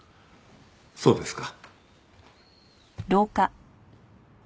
そうですか。